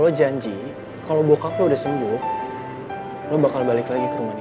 lo janji kalo bokap lo udah sembuh lo bakal balik lagi ke rumah dia